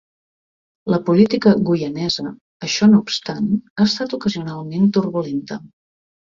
La política guyanesa, això no obstant, ha estat ocasionalment turbulenta.